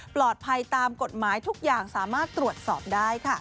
ปลอดภัยตามกฎหมายทุกอย่างสามารถตรวจสอบได้ค่ะ